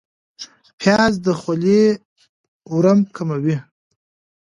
پیاز د خولې ورم کموي